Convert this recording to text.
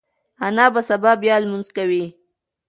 انا به سبا بیا لمونځ کوي.